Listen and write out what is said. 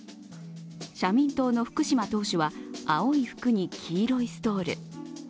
社民党の福島副党首は青い服に黄色いストール。